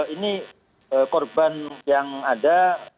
ini korban yang ada